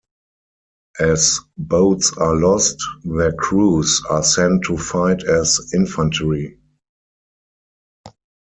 As boats are lost, their crews are sent to fight as infantry.